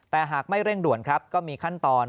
แต่หากไม่เร่งด่วนครับก็มีขั้นตอน